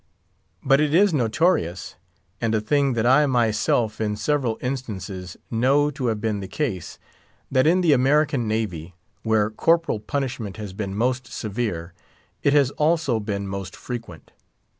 But it is notorious, and a thing that I myself, in several instances, know to have been the case, that in the American navy, where corporal punishment has been most severe, it has also been most frequent.